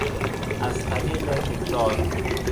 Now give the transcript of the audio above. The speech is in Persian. از طریق تکرار